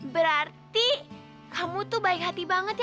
berarti kamu tuh baik hati banget ya